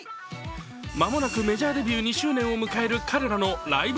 間もなくメジャーデビュー２周年を迎える彼らのライブ